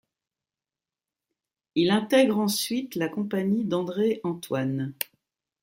Il intègre ensuite la compagnie d'André Antoine.